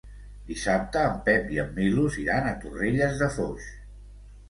Dissabte en Pep i en Milos iran a Torrelles de Foix.